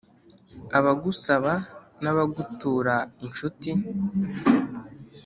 abagusaba na bagutura inshuti